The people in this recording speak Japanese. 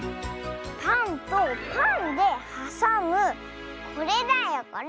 パンとパンではさむこれだよこれ！